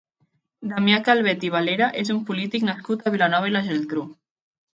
Damià Calvet i Valera és un polític nascut a Vilanova i la Geltrú.